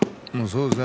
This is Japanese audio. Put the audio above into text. そうですね。